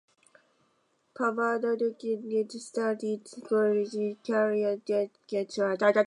Papadakis started his college career at the University of California, Berkeley.